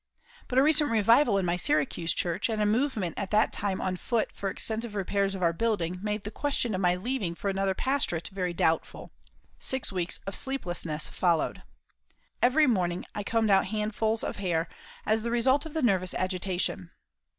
But a recent revival in my Syracuse Church, and a movement at that time on foot for extensive repairs of our building, made the question of my leaving for another pastorate very doubtful. Six weeks of sleeplessness followed. Every morning I combed out handfuls of hair as the result of the nervous agitation.